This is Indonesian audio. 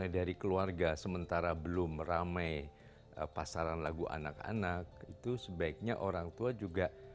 dari keluarga sementara belum ramai pasaran lagu anak anak itu sebaiknya orang tua juga